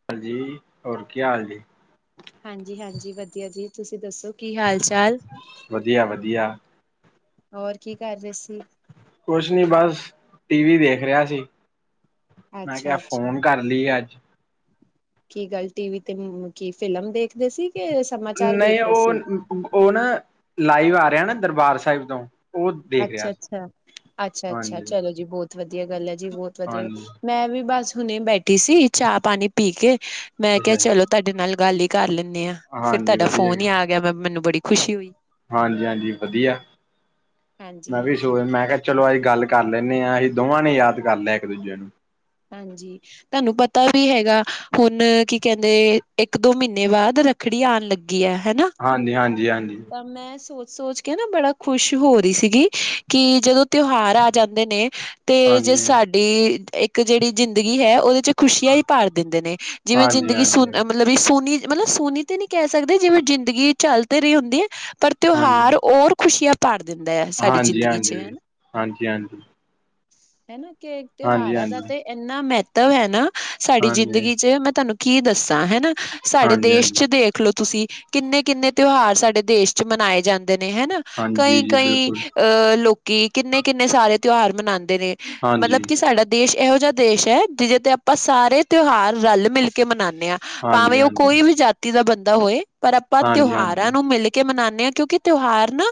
ਹਾਂਜੀ ਹੋਰ ਕੀ ਹਾਲ ਜੇ। ਹਾਂਜੀ -ਹਾਂਜੀ ਵਧੀਆ ਜੀ ਤੁਸੀਂ ਦੱਸੋ ਕੀ ਹਾਲ ਚਾਲ। ਵਧੀਆ -ਵਧੀਆ ਹੋਰ ਕੀ ਕਰ ਰਹੇ ਸੀ। ਕੁਛ ਨੀ ਬਸ ਟੀ ਵੀ ਦੇਖ ਰਿਹਾ ਸੀ ਮੈਂ ਕਿਹਾ ਅੱਛਾ-ਅੱਛਾ ਫੋਨ ਕਰ ਲੀ ਅੱਜ ਕੀ ਗੱਲ ਟੀ ਵੀ ਤੇ ਕੀ ਫਿਲਮ ਦੇਖਦੇ ਸੀ ਕਿ ਸਮਾਚਾਰ ਨਹੀਂ ਵੇਖ ਰਹੇ ਸੀ? ਉਹ- ਉਹ ਨਾ ਲਾਈਵ ਆ ਰਿਹਾ ਨਾ ਦਰਬਾਰ ਸਾਹਿਬ ਤੋਂ ਉਹ ਦੇਖ ਰਿਹਾ ਸੀ ਅੱਛਾ-ਅੱਛਾ-ਅੱਛਾ-ਅੱਛਾ ਹਾਂਜੀ ਚਲੋ ਜੀ ਬਹੁਤ ਵਧੀਆ ਗੱਲ ਹੈ। ਜੀ ਬਹੁਤ ਵਧੀਆ ਹਾਂਜੀ ਮੈਂ ਵੀ ਬਸ ਹੁਣੇ ਬੈਠੀ ਸੀ ਚਾਹ ਪਾਣੀ ਪੀ ਕੇ ਮੈਂ ਅੱਛਾ ਕਿਹਾ ਜੀ। ਚਲੋ। ਤੁਹਾਡੇ ਨਾਲ ਗੱਲ ਹੀ ਕਰ ਲੈਂਣੇ ਆਂ ਫੇਰ ਹਾਂਜੀ ਤੁਹਾਡਾ ਵਧੀਆ ਫੋਨ ਹੀ ਆ ਗਿਆ ਮੈਂ ਮੈਨੂੰ ਬੜੀ ਖੁਸ਼ੀ ਹੋਈ। ਹਾਂਜੀ- ਹਾਂਜੀ ਵਧੀਆ ਮੈਂ ਵੀ ਹਾਂਜੀ-ਹਾਂਜੀ, ਹਾਂਜੀ ਸੋਚ ਮੈਂ ਕਿਹਾ। ਚਲੋ ਅਸੀਂ ਗੱਲ ਕਰ ਲੈਂਣੇ ਹਾਂ ਅਸੀਂ ਦੋਵਾਂ ਨੇ ਯਾਦ ਕਰ ਲਿਆ ਇੱਕ ਦੂਜੇ ਨੂੰ ਹਾਂਜੀ ਤੁਹਾਨੂੰ ਪਤਾ ਵੀ ਹੈਗਾ ਹੁਣ ਕੀ ਕਹਿੰਦੇ ਇੱਕ ਦੋ ਮਹੀਨੇ ਬਾਅਦ ਰ ਖੜੀ ਆਉਣ ਲੱਗੀ ਹੈ ਹਨਾ। ਹਾਂਜੀ- ਹਾਂਜੀ- ਹਾਂਜੀ ਮੈਂ ਸੋਚ ਸੋਚ ਕੇ ਨਾ ਬੜਾ ਖੁਸ਼ ਹੋ ਰਹੀ ਸੀਗੀ ਕਿ ਜਦੋਂ ਤਿਉਹਾਰ ਆ ਜਾਂਦੇ ਨੇ। ਤੇ ਜੇ ਹਾਂਜੀ ਸਾਡੀ ਇੱਕ ਜਿਹੜੀ ਜ਼ਿੰਦਗੀ ਹੈ ਉਹਦੇ ਚ ਖੁਸ਼ੀਆਂ ਹੀ ਭਾਰ ਦਿੰਦੇ ਨੇ। ਜਿਵੇਂ ਹਾਂਜੀ ਹਾਂਜੀ ਜ਼ਿੰਦਗੀ ਹਾਂਜੀ ਸੁਨੀ ਮਤਲਬ ਸੁਨੀ ਮਤਲਬ ਸੁਨੀ ਤੇ ਨੀ ਕਹਿ ਸਕਦੇ ਜਿਵੇਂ ਜ਼ਿੰਦਗੀ ਚੱਲ ਤੇ ਰਹੀ ਹੁੰਦੀ। ਪਰ ਹਾਂਜੀ ਤਿਉਹਾਰ ਹੋਰ ਖੁਸ਼ੀਆਂ। ਭਰ ਦਿੰਦਾ ਆ ਸਾਡੀ ਹਾਂਜੀ ਹਾਂਜੀ ਜ਼ਿੰਦਗੀ ਚ ਹੈਨਾ। ਹਾਂਜੀ ਹੈਨਾ ਕਿ ਹਾਂਜੀ ਤਿਉਹਾਰਾਂ ਦਾ ਹਾਂਜੀ ਤੇ ਇੰਨਾ ਮਹੱਤਵ ਹੈ ਨਾ। ਸਾਡੀ ਹਾਂਜੀ ਜ਼ਿੰਦਗੀ ਚ ਮੈਂ ਤੁਹਾਨੂੰ ਕੀ ਦੱਸਾਂ ਹੈਨਾ ਸਾਡੇ ਹਾਂਜੀ ਦੇਸ਼ ਹਾਂਜੀ ਚ ਦੇਖਲੋ। ਤੁਸੀਂ ਕਿੰਨੇ ਕਿੰਨੇ ਤਿਉਹਾਰ ਸਾਡੇ ਦੇਸ਼ ਚ ਮਨਾਏ ਜਾਂਦੇ ਨੇ ਹੈਨਾ ਹਾਂਜੀ ਕਈ ਜੀ ਕਈ। ਬਿਲਕੁਲ ਅਹ ਲੋਕੀ ਕਿੰਨੇ ਕਿੰਨੇ ਸਾਰੇ ਤਿਉਹਾਰ ਮਨਾਉਂਦੇ ਨੇ ਹਾਂਜੀ ਮਤਲਬ ਕਿ ਸਾਡਾ। ਦੇਸ਼ ਇਹੋ ਜਿਹਾ ਦੇਸ਼ ਹੈ ਜਿਹਦੇ ਤੇ ਆਪਾਂ ਸਾਰੇ ਤਿਉਹਾਰ ਰਲ ਮਿਲ ਕੇ ਮਨਾਉਂਦੇ ਹਾਂ। ਹਾਂਜੀ ਭਾਵੇਂ ਉਹ ਹਾਂਜੀ ਕੋਈ ਵੀ ਜਾਤੀ ਦਾ ਬੰਦਾ ਹੋਏ ਪਰ ਆਪਾਂ ਹਾਂਜੀ ਹਾਂਜੀ ਤਿਉਹਾਰਾਂ ਨੂੰ ਮਿਲੇ। ਕੇ ਮਨਾਉਂਦੇ ਹਾਂ ਕਿਉਂਕਿ ਤਿਉਹਾਰ ਨਾ।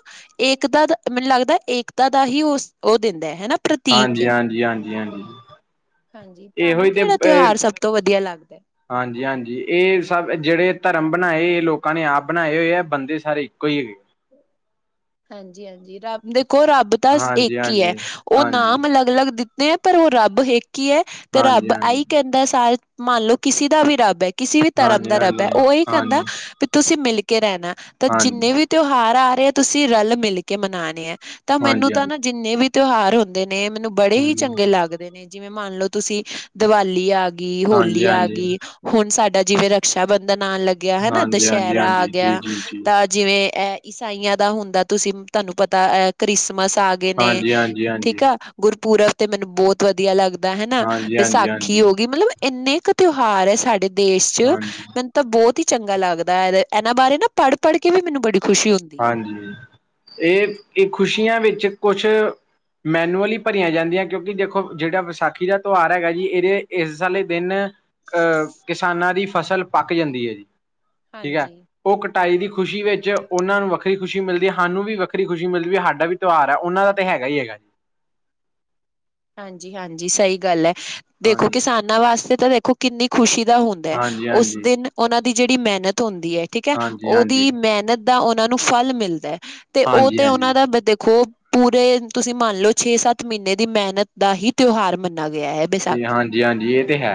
ਏਕਤਾ ਦਾ ਮੈਨੂੰ ਲੱਗਦਾ ਏਕਤਾ ਦਾ ਹੀ ਉਹ ਉਹ ਦਿੰਦਾ ਹੈ ਹਨਾ। ਪ੍ਰਤੀਕ ਹਾਂਜੀ ਹੈ ਹਾਂਜੀ ਹਾਂਜੀ ਹਾਂਜੀ। ਹਾਂਜੀ ਇਹੋ ਹੀ ਤੁਹਾਨੂੰ ਤੇ ਕਿਹੜਾ ਅ, ਤਿਉਹਾਰ ਸਭ ਤੋਂ ਵਧੀਆ ਲੱਗਦਾ। ਹਾਂਜੀ ਹਾਂਜੀ ਇਹ ਸਭ ਜਿਹੜੇ ਧਰਮ ਬਣਾਏ ਇਹ ਲੋਕਾਂ ਨੇ ਆਪ ਬਣਾਏ ਹੋਏ ਆ ਬੰਦੇ ਸਾਰੇ ਇੱਕੋ ਹੀ ਹੈਗੇ। ਹਾਂਜੀ ਹਾਂਜੀ ਰੱਬ ਦੇਖੋ ਰੱਬ ਤਾਂ ਹਾਂਜੀ ਇੱਕ ਹੀ ਹੈ ਹਾਂਜੀ ਉਹ ਹਾਂਜੀ ਨਾਮ ਅਲੱਗ ਅਲੱਗ ਦਿੱ। ਪਰ ਉਹ ਰੱਬ ਹੇਕ ਹੀ ਹੈ ਤੇ ਹਾਂਜੀ ਰੱਬ ਆਈ ਹਾਂਜੀ ਕਹਿੰਦਾ ਸਾਰ ਮੰਨ ਲਓ ਕਿਸੇ ਦਾ ਵੀ ਰੱਬ ਹੈ। ਕਿਸੇ ਵੀ ਧਰਮ ਹਾਂਜੀ ਦਾ ਰੱਬ ਹੈ ਹਾਂਜੀ ਉਹ ਏਹੀ ਕਹਿੰਦਾ। ਹਾਂਜੀ ਵੀ ਤੁਸੀਂ ਮਿਲ ਕੇ ਰਹਿਣਾ ਤਾਂ ਹਾਂਜੀ ਹਾਂਜੀ ਜਿੰਨੇ ਵੀ ਤਿਉਹਾਰ ਆ ਰਹੇ ਆ ਤੁਸੀਂ ਰਲ ਮਿਲ ਕੇ ਮਨਾਣੇ ਆ। ਤਾਂ ਮੈਨੂੰ ਤਾਂ ਹਾਂਜੀ ਨਾ ਜਿੰਨੇ ਵੀ ਤਿਉਹਾਰ ਹੁੰਦੇ ਨੇ ਮੈਨੂੰ ਬੜੇ ਹੀ ਹਾਂਜੀ ਚੰਗੇ ਲੱਗਦੇ। ਨੇ ਜਿਵੇਂ ਮੰਨਲਓ ਤੁਸੀਂ ਦੀਵਾਲੀ ਆ ਗਈ ਹੋਲੀ ਆ ਹਾਂਜੀ ਗਈ। ਹੁਣ ਸਾਡਾ ਜਿਵੇਂ ਰਕਸ਼ਾ ਬੰਧਨ ਆਉਣ ਲੱਗਿਆ ਹੈਨਾ ਹਾਂਜੀ ਹਾਂਜੀ ਦੁਸਹਿਰਾ ਆ ਹਾਂਜੀ ਜੀ ਗਿਆ ਜੀ ਜੀ ਤਾਂ। ਜਿਵੇਂ ਅ ਈਸਾਈਆਂ ਦਾ ਹੁੰਦਾ ਤੁਸੀਂ ਤੁਹਾਨੂੰ ਪਤਾ ਅ ਕ੍ਰਿਸਮਸ ਆ। ਨੇ ਹਾਂਜੀ ਹਾਂਜੀ ਠੀਕ ਹਾਂਜੀ ਆ। ਗੁਰਪੁਰਬ ਤੇ ਮੈਨੂੰ ਬਹੁਤ ਵਧੀਆ ਲੱਗਦਾ ਹੈਨਾ ਹਾਂਜੀ ਹਾਂਜੀ ਵਿਸਾਖੀ ਹੋ ਹਾਂਜੀ ਗਈ ਮਤਲਬ। ਇੰਨੇ ਕੁ ਤਿਉਹਾਰ ਹੈ ਸਾਡੇ ਦੇਸ਼ ਚ। ਹਾਂਜੀ ਤਾਂ ਬਹੁਤ ਹੀ ਚੰਗਾ ਲੱਗਦਾ ਹੈ ਇਹਨਾਂ ਬਾਰੇ ਨਾ ਪੜ੍ਹ ਪੜ੍ਹ ਕੇ ਮੈਨੂੰ ਬੜੀ ਖੁਸ਼ੀ ਹੁੰਦੀ। ਹੈ ਹਾਂਜੀ ਇਹ ਇਹ ਖ਼ੁਸ਼ੀਆਂ ਵਿੱਚ ਕੁਛ। ਮੈਨੂਅਲੀ ਭਰੀਆਂ ਜਾਂਦੀਆਂ ਕਿਉਂਕਿ ਦੇਖੋ ਜਿਹੜਾ ਵਿਸਾਖੀ ਦਾ ਤਿਉਹਾਰ ਹੈਗਾ ਜੀ ਇਹਦੇ ਇਸ ਵਾਲੇ ਦਿਨ। ਅਹ ਕਿਸਾਨਾਂ ਦੀ ਫਸਲ ਪੱਕ ਜਾਂਦੀ ਹੈ ਜੀ ਠੀਕ ਹੈ। ਹਾਂਜੀ ਉਹ ਕਟਾਈ ਦੀ ਖੁਸ਼ੀ ਵਿੱਚ। ਉਹਨਾਂ ਨੂੰ ਵੱਖਰੀ ਖੁਸ਼ੀ ਮਿਲਦੀ ਸਾਨੂੰ ਵੀ ਵੱਖਰੀ ਖੁਸ਼ੀ ਮਿਲਦੀ ਵੀ ਸਾਡਾ ਵੀ ਤਿਉਹਾਰ ਹੈ ਉਹਨਾਂ ਦਾ ਤਾਂ ਹੈਗਾ ਹੀ ਹੈਗਾ ਜੀ। ਹਾਂਜੀ ਹਾਂਜੀ ਸਹੀ ਗੱਲ ਹੈ ਦੇਖੋ ਹਾਂਜੀ ਕਿਸਾਨਾਂ ਵਾਸਤੇ ਤਾਂ ਦੇਖੋ। ਕਿੰਨੀ ਖੁਸ਼ੀ ਦਾ ਹੁੰਦਾ ਹੈ ਹਾਂਜੀ ਉਸ ਹਾਂਜੀ ਦਿਨ ਉਹਨਾਂ ਦੀ ਜਿਹੜੀ ਮਿਹਨਤ ਹੁੰਦੀ ਹੈ। ਠੀਕ ਹੈ ਹਾਂਜੀ ਹਾਂਜੀ ਉਹਦੀ ਮਿਹਨਤ ਦਾ ਉਹਨਾਂ ਨੂੰ ਫਲ ਮਿਲਦਾ ਹੈ ਤੇ ਉਹ ਹਾਂਜੀ ਤੇ ਹਾਂਜੀ ਉਹਨਾਂ ਦਾ ਦੇਖੋ। ਪੂਰੇ ਤੁਸੀਂ ਮੰਨ ਲਓ ਛੇ ਸੱਤ ਮਹੀਨੇ ਦੀ ਮਿਹਨਤ ਦਾ ਹੀ ਤਿਉਹਾਰ ਮੰਨਿਆ ਗਿਆ ਹੈ। ਵਿਸਾਖੀ ਹਾਂਜੀ ਹਾਂਜੀ ਇਹ ਤੇ ਹੈ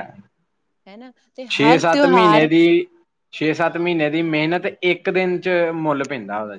ਹਨਾ ਤੇ ਛੇ ਹਰ ਸੱਤ ਮਹੀਨੇ ਤਿਉਹਾਰ ਦੀ। ਛੇ ਸੱਤ ਮਹੀਨੇ ਦੀ ਮਿਹਨਤ ਇੱਕ ਦਿਨ ਚ ਮੁੱਲ ਪੈਂਦਾ ਉਹਦਾ।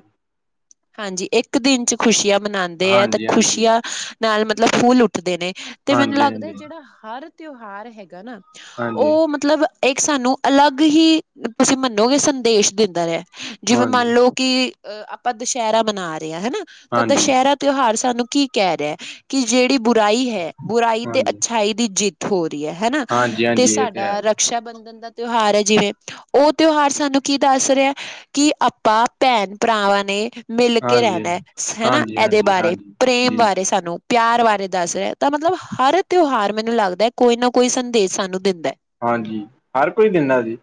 ਹਾਂਜੀ ਇੱਕ ਦਿਨ ਚ ਖ਼ੁਸ਼ੀਆਂ ਮਨਾਉਂਦੇ ਹੈ ਤੇ ਹਾਂਜੀ ਹਾਂਜੀ ਖੁਸ਼ੀਆਂ ਨਾਲ ਮਤਲਬ ਫੂਲ ਉੱਠਦੇ ਨੇ। ਤੇ ਮੈਨੂੰ ਹਾਂਜੀ ਲੱਗਦਾ ਹਾਂਜੀ ਜਿਹੜਾ ਹਰ ਤਿਉਹਾਰ ਹੈਗਾ ਨਾ ਹਾਂਜੀ ਉਹ ਮਤਲਬ। ਇੱਕ ਸਾਨੂੰ ਅਲੱਗ ਹੀ ਤੁਸੀਂ ਮੰਨੋਗੇ ਸੰਦੇਸ਼ ਦਿੰਦਾ ਰਿਹਾ ਜਿਵੇਂ ਹਾਂਜੀ ਮੰਨ ਲਓ। ਕਿ ਅ ਆਪਾਂ ਦੁਸਹਿਰਾ ਮਨਾ ਰਹੇ ਹਾਂ ਹੈਨਾ ਤਾਂ ਹਾਂਜੀ ਦੁਸਹਿਰਾ। ਤਿਉਹਾਰ ਸਾਨੂੰ ਕੀ ਕਹਿ ਰਿਹਾ ਕਿ ਜਿਹੜੀ ਬੁਰਾਈ ਹੈ ਬੁਰਾਈ ਤੇ ਹਾਂਜੀ ਅੱਛਾਈ ਦੀ ਜਿੱਤ ਹੋ ਰਹੀ ਹੈ ਹੈਨਾ ਹਾਂਜੀ ਤੇ ਹਾਂਜੀ ਇਹ ਹੈ ਸਾਡਾ ਜੀ ਰਕਸ਼ਾ ਬੰਧਨ ਦਾ ਤਿਉਹਾਰ ਹੈ ਜਿਵੇਂ ਉਹ ਤਿਉਹਾਰ ਸਾਨੂੰ ਕੀ ਦੱਸ ਰਿਹਾ ਕਿ ਆਪਾਂ ਭੈਣ ਭਰਾਵਾਂ ਨੇ। ਮਿਲ ਕੇ ਹਾਂਜੀ ਰਹਿਣਾ [unintelligible] ਹਾਂਜੀ ਇਹਦੇ ਹਾਂਜੀ ਬਾਰੇ ਹਾਂਜੀ ਪ੍ਰੇਮ ਜੀ ਜੀ ਬਾਰੇ ਸਾਨੂੰ। ਪਿਆਰ ਬਾਰੇ ਦੱਸ ਰਿਹਾ ਤਾਂ ਮਤਲਬ ਹਰ ਤਿਉਹਾਰ ਮੈਨੂੰ ਲੱਗਦਾ ਕੋਈ ਨਾ ਕੋਈ ਸੰਦੇਸ਼ ਸਾਨੂੰ ਦਿੰਦਾ। ਹਾਂਜੀ, ਹਰ ਕੋਈ ਦਿੰਦਾ ਜੀ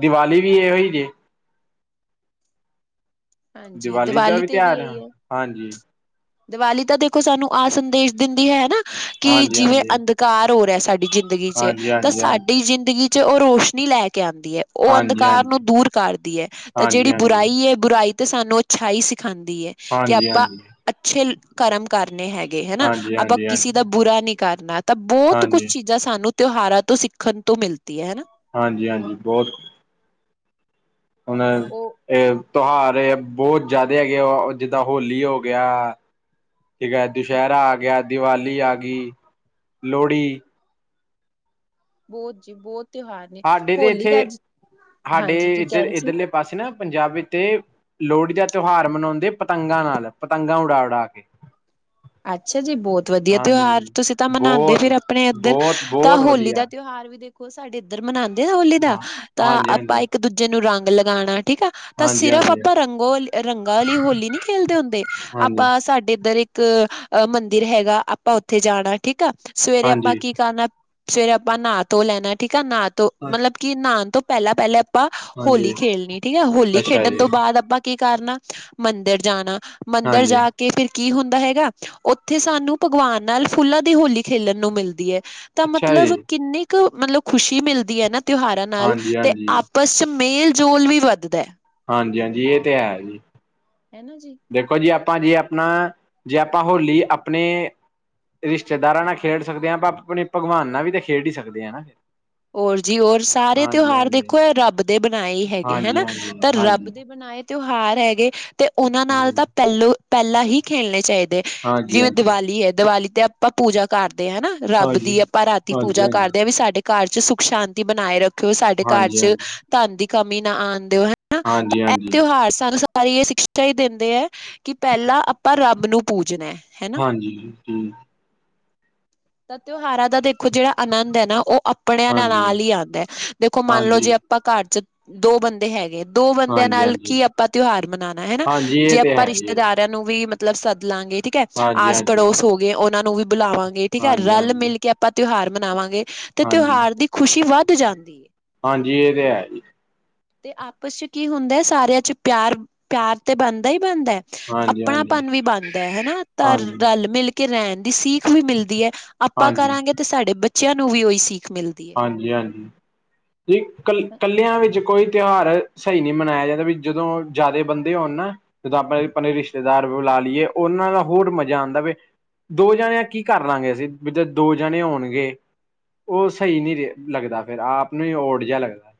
ਦੀਵਾਲੀ ਵੀ ਇਹੋ ਹੀ ਜੇ।। ਹਾਂਜੀ ਦੀਵਾਲੀ ਦਾ ਵੀ ਤੇ ਤਿਉਹਾਰ ਐ ਇਹੀ ਹੈ ਹਾਂਜੀ। ਦੀਵਾਲੀ ਤਾਂ ਦੇਖੋ ਸਾਨੂੰ ਆ ਸੰਦੇਸ਼ ਦਿੰਦੀ ਐ ਹਨਾ। ਕਿ ਹਾਂਜੀ ਜਿਵੇਂ ਹਾਂਜੀ ਅੰਧਕਾਰ ਹੋ ਰਿਹਾ ਸਾਡੀ ਜ਼ਿੰਦਗੀ ਚ ਹਾਂਜੀ ਤਾਂ ਹਾਂਜੀ ਸਾਡੀ ਜ਼ਿੰਦਗੀ ਚ। ' ਉਹ ਰੋਸ਼ਨੀ ਲੈ ਕੇ ਆਉਂਦੀ ਹੈ। ਉਹ ਹਾਂਜੀ ਹਾਂਜੀ ਅੰਧਕਾਰ ਹਾਂਜੀ ਨੂੰ ਦੂਰ ਕਰਦੀ ਹੈ ਤਾਂ ਹਾਂਜੀ ਜਿਹੜੀ ਹਾਂਜੀ ਹਾਂਜੀ ਬੁਰਾਈ ਹੈ ਬੁਰਾਈ ਤੇ ਸਾਨੂੰ ਅੱਛਾਈ ਸਿਖਾਉਂਦੀ ਹੈ ਕਿ ਹਾਂਜੀ ਹਾਂਜੀ ਆਪਾਂ ਹਾਂਜੀ ਅੱਛੇ ਕਰਮ ਕਰਨੇ ਹੈਗੇ। ਹਨਾ ਆਪਾਂ ਕਿਸੇ ਦਾ ਬੁਰਾ ਨੀ ਕਰਨਾ ਤਾਂ ਬਹੁਤ ਕੁਛ ਹਾਂਜੀ ਚੀ ਜਾਂ ਸਾਨੂੰ ਤਿਉਹਾਰਾਂ ਤੋਂ ਸਿੱਖਣ ਤੋਂ ਮਿਲਦੀ ਐ ਹਨਾ। ਹਾਂਜੀ ਹਾਂਜੀ, ਬਹੁਤ। ਹੁਣ ਉਹ ਇਹ ਤਿਉਹਾਰ ਬਹੁਤ ਜ਼ਿਆਦਾ ਹੈਗੇ ਜਿੱਦਾਂ ਹੋਲੀ ਹੋ ਗਿਆ। ਠੀਕ ਐ ਦੁਸਹਿਰਾ ਆ ਗਿਆ ਦੀਵਾਲੀ ਆ ਗਈ ਲੋਹੜੀ। ਬਹੁਤ ਜੀ ਬਹੁਤ ਤਿਉਹਾਰ ਨੇ ਸਾਡੇ ਤੇ ਹੋਲੀ ਇੱਥੇ ਦਾ ਅ ਹਾਂਜੀ ਕੀ ਕਹਿ ਰਹੇ ਸੀ। ਅਸੀਂ ਨਾ ਪੰਜਾਬ ਤੇ ਲੋਹੜੀ ਦਾ ਤਿਉਹਾਰ ਮਨਾਦੇ ਪਤੰਗਾਂ ਨਾਲ ਪਤੰਗਾਂ ਉਡਾ-ਉਡਾ ਕੇ, ਅੱਛਾ ਜੀ, ਬਹੁਤ ਵਧੀਆ, ਹਾਂਜੀ ਤਿਉਹਾਰ ਤੁਸੀਂ ਤਾਂ ਮਨਾਦੇ ਬਹੁਤ ਫਿਰ ਆਪਣੇ ਇੱਧਰ ਬਹੁਤ ਤਾਂ ਬਹੁਤ ਹੋਲੀ ਦਾ ਵਧੀਆ ਤਿਉਹਾਰ ਵੀ ਦੇਖ ਸਾਡੇ ਇੱਧਰ ਮਨਾਦੇ ਨਾ ਹੋਲੀ ਦਾ ਹਾਂ ਤਾਂ ਹਾਂਜੀ ਆਪਾਂ ਹਾਂਜੀ ਇੱਕ ਦੂਜੇ ਨੂੰ ਰੰਗ ਲਗਾਣਾ। ਠੀਕ ਆ ਤਾਂ ਹਾਂਜੀ ਸਿਰਫ ਹਾਂਜੀ ਆਪਾਂ ਰੰਗੋ ਰੰਗਾਂ ਵਾਲੀ ਹੋਲੀ ਨੀ ਖੇਲਦੇ ਹੁੰਦੇ। ਆਪਾਂ ਸਾਡੇ ਇੱਧਰ ਇੱਕ, ਮੰਦਿਰ ਹੈਗਾ, ਆਪਾਂ ਉੱਥੇ ਜਾਣਾ ਠੀਕ ਆ ਸਵੇਰੇ ਆਪਾਂ ਹਾਂਜੀ ਹਾਂਜੀ ਕੀ ਕਰਨਾ। ਫੇਰ ਆਪਾਂ ਨਹਾ ਧੋ ਲੈਣਾ ਠੀਕ ਆ ਨਹਾ ਧੋ ਮਤਲਬ, ਕਿ ਨਹਾ ਤੋਂ ਪਹਿਲਾਂ-ਪਹਿਲਾਂ। ਆਪਾਂ ਹੋਲੀ ਹਾਂਜੀ ਖੇਡਣੀ ਠੀਕ ਐ, ਹੋਲੀ ਅੱਛਾ ਖੇਡਣ ਜੀ ਤੋਂ ਬਾਅਦ ਆਪਾਂ ਕੀ ਕਰਨਾ ਮੰਦਿਰ ਜਾਣਾ। ਮੰਦਿਰ ਹਾਂਜੀ ਜਾ ਕੇ ਫਿਰ ਕੀ ਹੁੰਦਾ ਦਾ ਹੈਗਾ ਉੱਥੇ ਸਾਨੂੰ ਭਗਵਾਨ ਨਾਲ ਫੁੱਲਾਂ ਦੀ ਹੋਲੀ ਖੇਲਣ ਨੂੰ ਮਿਲਦੀ ਐ। ਤਾਂ ਅੱਛਾ ਮਤਲਬ ਜੀ ਕਿੰਨੀ ਕੁ ਮਤਲਬ ਖੁਸ਼ੀ ਮਿਲਦੀ ਐ ਨਾ, ਤਿਉਹਾਰਾਂ ਨਾਲ ਹਾਂਜੀ ਤੇ ਹਾਂਜੀ ਆਪਸ ਮੇਲ-ਜੋਲ ਵੀ ਵੱਧਦਾ। ਹਾਂਜੀ-ਹਾਂਜੀ, ਇਹ ਤੇ ਹੈ ਜੀ। ਹੈ ਨਾ ਜੀ, ਦੇਖੋ ਜੀ, ਆਪਾਂ ਜੇ ਆਪਣਾ ਜੇ ਆਪਾਂ ਹੋਲੀ ਆਪਣੇ ਰਿਸ਼ਤੇਦਾਰਾਂ ਨਾਲ ਖੇਡ ਸਕਦੇ ਆ, ਆਪਾਂ ਆਪਣੇ ਭਗਵਾਨ ਨਾਲ ਵੀ ਤਾਂ ਖੇਡ ਹੀ ਸਕਦੇ ਆ ਨਾ। ਹੋਰ ਜੀ ਹੋਰ ਸਾਰੇ ਹਾਂਜੀ, ਤਿਉਹਾਰ ਹਾਂਜੀ, ਦੇਖੋ ਇਹ ਰੱਬ ਦੇ ਬਣਾਏ ਹੀ ਹੈਗੇ ਹਾਂਜੀ, ਹਾਂਜੀ, ਹਨਾ। ਹਾਂਜੀ, ਤਾਂ ਰੱਬ ਹਾਂਜੀ, ਹਾਂਜੀ, ਦੇ ਬਣਾਏ ਤਿਉਹਾਰ ਹੈਗੇ ਤੇ ਉਹਨਾਂ ਨਾਲ ਹਾਂਜੀ। ਤਾਂ ਪਹਿਲੋਂ ਪਹਿਲਾਂ ਹੀ ਖੇਲਣੇ ਚਾਹੀਦੇ। ਹਾਂਜੀ, ਜਿਵੇਂ ਹਾਂਜੀ, ਦੀਵਾਲੀ ਐ, ਦੀਵਾਲੀ ਤੇ ਆਪਾਂ ਪੂਜਾ ਕਰਦੇ ਹਾਂ ਹਨਾ। ਰੱਬ ਹਾਂਜੀ, ਦੀ ਆਪਾਂ ਰਾਤੀ ਪੂਜਾ ਹਾਂਜੀ, ਕਰਦੇ ਹਾਂ, ਵੀ ਸਾਡੇ ਘਰ ਚ ਸੁੱਖ ਸ਼ਾਂਤੀ ਬਣਾਏ ਰੱਖ ਕਿ ਸਾਡੇ ਘਰ ਚ ਹਾਂਜੀ। ਧਨ ਦੀ ਕਮੀ ਨਾ ਆਣ ਦਿਓ ਹਨਾ ਹਾਂਜੀ, ਤਾਂ ਇਹ ਹਾਂਜੀ, ਤਿਉਹਾਰ ਸਾਨੂੰ ਸਾਰੀ ਇਹ ਸਿਕਸ਼ਾ ਹੀ ਦਿੰਦੇ ਐ, ਕਿ ਪਹਿਲਾਂ ਆਪਾਂ ਰੱਬ ਨੂੰ ਪੂਜਣਾ। ਹਨਾ ਹਾਂਜੀ ਹੂੰ, ਤਾਂ ਤਿਉਹਾਰਾਂ ਦਾ ਦੇਖੋ ਜਿਹੜਾ ਆਨੰਦ ਐ, ਨਾ ਉਹ ਆਪਣਿਆਂ ਹਾਂਜੀ, ਨਾਲ ਹੀ ਆਂਦਾ, ਦੇਖੋ ਮੰਨ ਲਓ ਜੇ। ਹਾਂਜੀ। ਆਪਾਂ ਘਰ ਚ ਦੋ ਬੰਦੇ ਹੈਗੇ। ਦੋ ਬੰਦਿਆਂ ਨਾਲ ਹਾਂਜੀ, ਕੀ ਹਾਂਜੀ, ਆਪਾਂ ਤਿਉਹਾਰ ਮਨਾਣਾ ਹਨਾ, ਹਾਂਜੀ ਜੇ ਇਹ ਤੇ ਆਪਾਂ ਹੈ ਜੀ, ਰਿਸ਼ਤੇਦਾਰ ਨੂੰ ਵੀ ਮਤਲਬ ਸੱਦ ਲਾਂਗੇ ਠੀਕ ਐ, ਹਾਂਜੀ, ਆਸ ਹਾਂਜੀ, ਪੜੋਸ ਹੋ ਗਏ ਉਹਨਾਂ ਨੂੰ ਵੀ ਬੁਲਾਵਾਂਗੇ। ਠੀਕ ਐ, ਹਾਂਜੀ, ਰਲ ਹਾਂਜੀ। ਮਿਲ ਕੇ ਆਪਾਂ ਤਿਉਹਾਰ ਮਨਾਵਾਂਗੇ ਤੇ ਹਾਂਜੀ, ਤਿਉਹਾਰ ਦੀ ਖ਼ੁਸ਼ੀ ਵੱਧ ਜਾਂਦੀ ਐ। ਹਾਂਜੀ ਇਹ ਤੇ ਹੈ ਜੀ। ਤੇ ਆਪਸ ਚ ਕੀ ਹੁੰਦਾ, ਸਾਰਿਆਂ ਚ ਪਿਆਰ-ਪਿਆਰ ਤੇ ਬਣਦਾ ਹੀ ਬਣਦਾ। ਹਾਂਜੀ, ਆਪਣਾ ਹਾਂਜੀ, ਪਨ ਵੀ ਬਣਦਾ, ਹਨਾ ਤਾਂ ਰਲ ਮਿਲ ਕੇ। ਕਿ ਰਹਿਣ ਦੀ ਸਿੱਖ ਵੀ ਮਿਲਦੀ ਐ, ਆਪਾਂ ਹਾਂਜੀ, ਹਾਂਜੀ, ਕਰਾਂਗੇ, ਤੇ ਸਾਡੇ ਬੱਚਿਆਂ ਨੂੰ ਵੀ ਉਹੀ ਸਿੱਖ ਮਿਲਦੀ। ਹੈ ਹਾਂਜੀ-ਹਾਂਜੀ, ਕ ਕੱਲਿਆਂ ਵਿੱਚ ਕੋਈ ਤਿਉਹਾਰ ਸਹੀ ਨਹੀਂ ਮਨਾਇਆ ਜਾਂਦਾ, ਵੀ ਜਦੋਂ ਜ਼ਿਆਦਾ ਬੰਦੇ ਹੋਣ ਨਾ, ਜਦੋਂ ਆਪਣੇ ਆਪਣੇ ਰਿਸ਼ਤੇਦਾਰ ਬੁਲਾ ਲਈਏ, ਉਹਨਾਂ ਨਾਲ ਹੋਰ ਮਜ਼ਾ ਆਂਦਾ ਵ ਦੋ ਜਣਿਆਂ ਕੀ ਕਰ ਲਾਂਗੇ, ਅਸੀਂ ਜਿੱਦ ਦੋ ਜਣੇ ਹੋਣਗੇ ਉਹ ਸਹੀ ਨੀ ਲੱਗਦਾ, ਫਿਰ ਆਪ ਨੂੰ ਹੀ ਓਡ ਜਿਹਾ ਲੱਗਦਾ।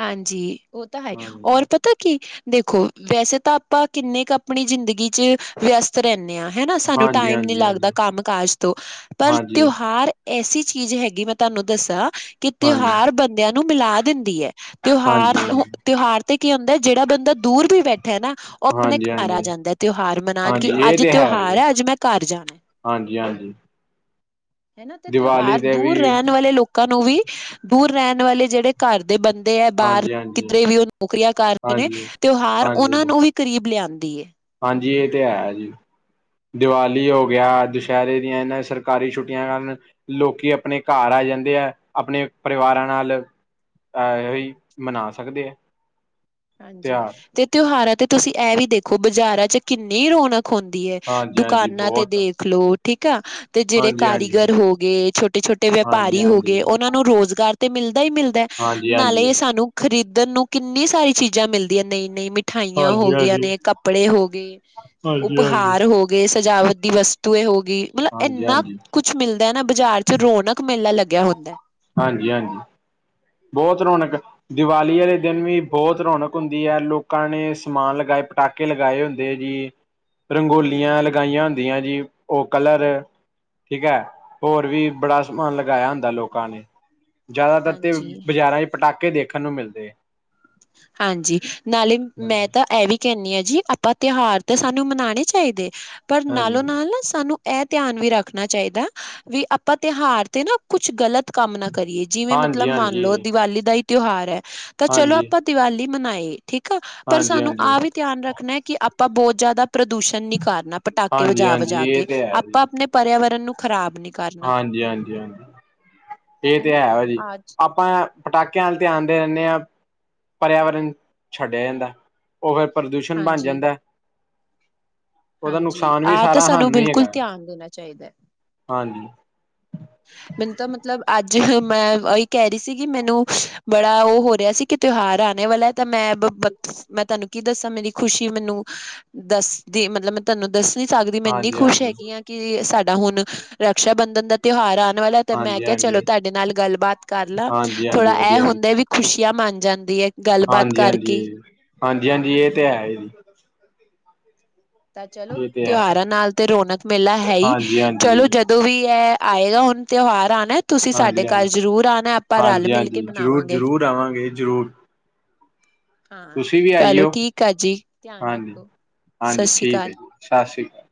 ਹਾਂਜੀ, ਉਹ ਤਾਂ ਹੈ ਹਾਂਜੀ ਔਰ ਪਤਾ ਕੀ ਦੇਖੋ, ਵੈਸੇ ਤਾਂ ਆਪਾਂ ਕਿੰਨੇ ਕੁ ਆਪਣੀ ਜ਼ਿੰਦਗੀ ਚ ਵਿਅਸਤ ਰਹਿੰਦੇ ਹਾਂ ਹਨਾ, ਸਾਨੂੰ ਹਾਂਜੀ ਟਾਈਮ ਨੀ ਹਾਂਜੀ ਲੱਗਦਾ ਹਾਂਜੀ ਕੰਮ ਕਾਜ ਤੋਂ, ਪਰ ਹਾਂਜੀ ਤਿਉਹਾਰ ਐਸੀ ਚੀਜ਼ ਹੈਗੀ, ਮੈਂ ਤੁਹਾਨੂੰ ਦੱਸਾਂ ਕਿ, ਹਾਂਜੀ ਤਿਉਹਾਰ ਬੰਦਿਆਂ ਨੂੰ ਮਿਲਾ ਦਿੰਦੀ ਹੈ। ਤਿਉਹਾਰ, ਹਾਂਜੀ ਤਿਉਹਾਰ ਤੇ ਕੀ ਹੁੰਦਾ, ਜਿਹੜਾ ਬੰਦਾ ਦੂਰ ਵੀ ਬੈਠਾ ਨਾ ਉਹ ਆਪਣੇ ਹਾਂਜੀ ਘਰ ਆ ਹਾਂਜੀ ਜਾਂਦਾ, ਤਿਉਹਾਰ ਮਨਾਉਣ ਕਿ ਹਾਂਜੀ ਅੱਜ ਤਿਉਹਾਰ ਹੈ, ਅੱਜ ਮੈਂ ਘਰ ਜਾਣਾ, ਹਾਂਜੀ-ਹਾਂਜੀ। ਹੈਨਾ, ਤੇ ਤਿਉਹਾਰ ਵੀ ਦੂਰ ਰਹਿਣ ਵਾਲੇ ਲੋਕ ਲੋਕਾਂ ਨੂੰ ਵੀ, ਦੂਰ ਰਹਿਣ ਵਾਲੇ ਜਿਹੜੇ ਘਰ ਦੇ ਬੰਦੇ ਹੈ। ਬਾਹਰ, ਹਾਂਜੀ ਹਾਂਜੀ ਕਿਧਰੇ ਵੀ ਉਹ ਨੌਕਰੀਆਂ ਕਰ ਰਹੇ ਨੇ, ਹਾਂਜੀ ਤਿਉਹਾਰ ਹਾਂਜੀ ਉਹਨਾਂ ਨੂੰ ਵੀ ਕਰੀਬ ਲਿਆਂਦੀ ਏ। ਹਾਂਜੀ ਇਹ ਤੇ ਹੈ ਜੀ, ਦੀਵਾਲੀ ਹੋ ਗਿਆ ਦੁਸਹਿਰੇ ਦੀਆਂ, ਇਹਨਾਂ ਸਰਕਾਰੀ ਛੁੱਟੀਆਂ ਕਾਰਨ ਲੋਕੀ, ਆਪਣੇ ਘਰ ਆ ਜਾਂਦੇ ਹੈ, ਆਪਣੇ ਪਰਿਵਾਰਾਂ ਨਾਲ ਅਹ, ਹੀ ਮਨਾ ਸਕਦੇ ਆ। ਹਾਂਜੀ, ਤਿਉਹਾਰ ਤੇ ਤਿਉਹਾਰਾਂ ਤੇ ਤੁਸੀਂ ਇਹ ਵੀ ਦੇਖੋ, ਬਾਜ਼ਾਰਾਂ ਚ ਕਿੰਨੀ ਰੌਣਕ ਹੁੰਦੀ ਹੈ, ਹਾਂਜੀ ਹਾਂਜੀ ਦੁਕਾਨਾਂ ਤੇ ਬਹੁਤ ਦੇ ਖ, ਲੋ ਠੀਕ ਆ, ਤੇ ਜਿਹੜੇ ਹਾਂਜੀ ਹਾਂਜੀ ਕਾਰੀਗਰ ਹੋ ਗਏ, ਛੋਟੇ- ਛੋਟੇ ਹਾਂਜੀ ਵਪਾਰੀ ਹੋ ਗਏ ਹਾਂਜੀ ਉਹ ਉਹਨਾਂ ਨੂੰ, ਰੁਜ਼ਗਾਰ ਤੇ ਮਿਲਦਾ ਹੀ ਮਿਲਦਾ ਹੈ, ਹਾਂਜੀ ਨਾਲੇ ਹਾਂਜੀ ਸਾਨੂੰ ਖ਼ਰੀਦਣ ਨੂੰ ਕਿੰਨੀ ਸਾਰੀ ਚੀਜ਼ਾਂ ਚੀਜ਼ਾਂ, ਮਿਲਦੀਆਂ ਨਯੀ- ਨਯੀ ਮਿ ਮਿਠਾਈਆਂ ਹੋ ਗਈਆਂ ਹਾਂਜੀ ਨੇ ਕੱਪੜੇ ਹੋ ਗਏ, ਹਾਂਜੀ ਹਾਂਜੀ ਹਾਂਜੀ ਉਪਹਾਰ ਹੋ ਗਏ, ਸਜਾਵਟ ਦੀ ਵਸਤ ਤੂਏ, ਹੋ ਗਈ ਮਤਲਬ, ਇੰਨਾ ਹਾਂਜੀ ਹਾਂਜੀ ਕੁਛ ਮਿਲਦਾ ਨਾ ਬਾਜ਼ਾਰ ਚ, ਰੌਣਕ ਮੇਲਾ ਲੱਗਿਆ ਹੁੰਦਾ। ਹਾਂਜੀ- ਹਾਂਜੀ, ਬਹੁਤ ਰੌਣਕ ਦੀਵਾਲੀ ਵਾਲੇ ਦਿਨ ਵੀ, ਬਹੁਤ ਰੌਣਕ ਹੁੰਦੀ ਹੈ, ਲੋਕਾਂ ਨੇ ਸਮਾਨ ਲਗਾਏ ਪਟਾਕੇ ਲਗਾਏ ਹੁੰਦੇ ਐ ਜੀ, ਰੰਗੋਲੀਆਂ ਹਾਂਜੀ। ਲਗਾਈਆਂ ਹੁੰਦੀਆਂ ਜੀ। ਉਹ ਕਲਰ, ਠੀਕ ਹੈ? ਹੋਰ ਵੀ ਬੜਾ ਸਮਾਨ ਲਗਾਇਆ ਹੁੰਦਾ ਲੋਕਾਂ ਨੇ। ਜ਼ਿਆਦਾਤਰ ਤੇ, ਹਾਂਜੀ। ਬਾਜ਼ਾਰਾਂ ਚ ਪਟਾਕੇ ਦੇਖਣ ਨੂੰ ਮਿਲਦੇ ਹੈ। ਹਾਂਜੀ, ਨਾਲੇ ਮੈਂ ਤਾਂ ਇਹ ਵੀ ਕਹਿੰਨੀ ਆ ਜੀ, ਆਪਾਂ ਤਿਉਹਾਰ ਤੇ ਸਾਨੂੰ ਮਨਾਉਣੇ ਚਾਹੀਦੇ, ਪਰ ਨਾਲੋਂ ਹਾਂਜੀ ਨਾਲ ਨਾ ਸਾਨੂੰ। ਇਹ ਧਿਆਨ ਵੀ ਰੱਖਣਾ ਚਾਹੀਦਾ, ਵੀ ਆਪਾਂ ਤਿਉਹਾਰ ਤੇ ਨਾ ਕੁਛ ਗਲਤ ਕੰਮ ਨਾ ਕਰੀਏ, ਜਿਵੇਂ ਮਤਲਬ, ਹਾਂਜੀ ਮੰਨ ਹਾਂਜੀ ਲਓ ਦੀਵਾਲੀ ਦਾ ਹੀ ਤਿਉਹਾਰ ਹੈ ਤਾਂ ਚਲੋ ਹਾਂਜੀ ਦੀਵਾਲੀ ਮਨਾਈ ਠੀਕ ਆ, ਪਰ ਹਾਂਜੀ ਸਾਨੂੰ ਆਹ ਵੀ ਧਿਆਨ ਰੱਖਣਾ ਕਿ ਆਪਾਂ ਬਹੁਤ ਜ਼ਿਆਦਾ ਪ੍ਰਦੂਸ਼ਣ ਨੀ ਕਰਨਾ, ਪਟਾਕੇ ਹਾਂਜੀ ਹਾਂਜੀ ਵਜਾ- ਹਾਂਜੀ ਵਜਾ ਇਹ ਕੇ, ਤੇ ਹੈ ਜੀ ਆਪਾਂ ਆਪਣੇ ਪਰਿਆਵਰਨ ਨੂੰ ਖਰਾਬ ਨੀ ਕਰਨਾ ਹਾਂਜੀ -ਹਾਂਜੀ, ਹਾਂਜੀ ਇਹ ਤੇ ਹਨਾ, ਹੈ ਜੀ, ਆਜ ਆ ਆਪਾਂ, ਪਟਾਕਿਆਂ ਵਲ ਧਿਆਨ ਦੇ ਦਿੰਦੇ ਹਾਂ, ਪਰਿਆਵਰਨ ਛੱਡਿਆ ਜਾਂਦਾ। ਉਹ ਫਿਰ, ਪ੍ਰਦੂਸ਼ਣ ਬਣ ਜਾਂਦਾ। ਉਹਦਾ, ਹਾਂਜੀ-ਹਾਂਜੀ ਨੁਕਸਾਨ ਵੀ ਆਹ ਤਾਂ ਸਾਰਾ ਸਾਨੂੰ ਹੀ ਬਿਲਕੁਲ ਹੈਗਾ, ਧਿਆਨ ਦੇਣਾ ਚਾਹੀਦਾ। ਹੈ। ਹਾਂਜੀ ਮੈਨੂੰ ਤਾਂ ਮਤਲਬ, ਅੱਜ ਮੈਂ ਉਹੀ ਕਹਿ ਰਹੀ ਸੀ ਗੀ, ਮੈਨੂੰ ਬੜਾ ਉਹ ਹੋ ਰਿਹਾ ਸੀ ਕਿ ਤਿਉਹਾਰ ਆਣੇ ਵਾਲਾ ਹੈ, ਤਾਂ ਮੈਂ, ਮੈਂ ਤੁਹਾਨੂੰ ਕੀ ਦੱਸਾਂ ਮੇਰੀ ਖੁਸ਼ੀ ਮੈਨੂੰ ਦੱਸ ਦੀ ਮਤਲਬ ਤੁਹਾਨੂੰ, ਦੱਸ ਨੀ ਸਕਦੀ, ਮੈਂ ਇੰਨੀ ਹਾਂਜੀ ਖੁਸ਼ ਹਾਂਜੀ ਹਾਂਜੀ ਹੈਗੀ ਹਾਂ, ਕਿ ਸਾਡਾ ਹੁਣ ਰਕਸ਼ਾ ਬੰਧਨ ਦਾ ਤਿਉਹਾਰ ਆਉਣ ਵਾਲਾ ਤੇ ਮੈਂ ਕਿਹਾ, ਚਲੋ ਹਾਂਜੀ ਤੁਹਾਡੇ ਨਾਲ ਗੱਲਬਾਤ ਕਰ ਲਾਂ, ਹਾਂਜੀ ਹਾਂਜੀ ਥੋੜਾ ਇਹ ਵਧੀਆ ਜੀ। ਹੁੰਦਾ ਵੀ ਖੁਸ਼ੀਆਂ ਮੰਨ ਜਾਂਦੀ ਹੈ। ਗੱਲਬਾਤ ਹਾਂਜੀ- ਹਾਂਜੀ, ਕਰਕੇ ਹਾਂਜੀ ਹਨਾ। -ਹਾਂਜੀ, ਇਹ ਤੇ ਹੈ ਜੀ। ਤਾਂ ਚਲੋ, ਇਹ ਤੇ ਹੈ ਤਿਉਹਾਰਾਂ ਨਾਲ ਤੇ ਰੌਣਕ ਮੇਲਾ ਹੈ ਹੀ, ਹਾਂਜੀ ਹਾਂਜੀ ਚਲੋ ਹਾਂਜੀ ਜਦੋਂ ਵੀ ਐ ਆਏਗਾ, ਹੁਣ ਤਿਉਹਾਰ ਆਉਣਾ, ਤੁਸੀਂ ਸਾਡੇ ਹਾਂਜੀ ਘਰ ਜ਼ਰੂਰ ਆਉਣਾ, ਆਪਾਂ ਰਲ- ਹਾਂਜੀ ਮਿਲ ਕੇ ਹਾਂਜੀ ਜ਼ਰੂਰ ਮਨਾਵਾਂਗੇ। ਜ਼ਰੂਰ ਆਵਾਂਗੇ, ਜਰੂਰ। ਹਾਂ ਤੁਸੀਂ ਵੀ ਚਲੋ ਆਈਓ, ਠੀਕ ਆ ਜੀ ਧਿਆਨ ਹਾਂਜੀ, ਰੱਖੋ ਸਤਿ ਹਾਂਜੀ ਸ੍ਰੀ ਠੀਕ ਅਕਾਲ ਹੈ ਜੀ, ਸਤਿ ਸ੍ਰੀ ਅਕਾਲ।